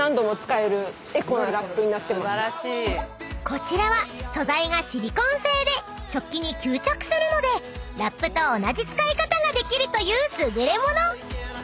［こちらは素材がシリコーン製で食器に吸着するのでラップと同じ使い方ができるという優れもの］